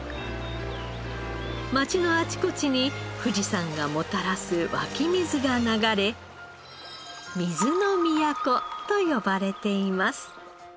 町のあちこちに富士山がもたらす湧き水が流れ水の都と呼ばれています。